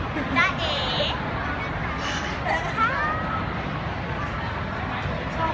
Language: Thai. สวัสดีค่ะ